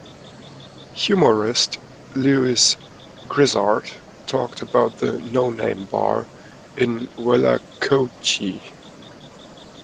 Humorist Lewis Grizzard talked about the No Name Bar in Willacoochee.